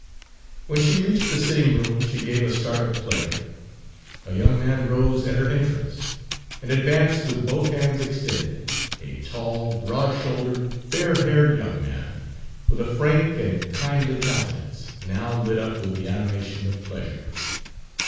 When she reached the sitting room she gave a start of pleasure. A young man rose at her entrance, and advanced with both hands extended a tall, broad shouldered, fair haired young man, with a frank and kindly countenance, now lit up with the animation of pleasure.